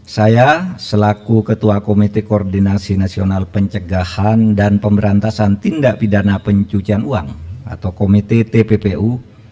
saya selaku ketua komite koordinasi nasional pencegahan dan pemberantasan tindak pidana pencucian uang atau komite tppu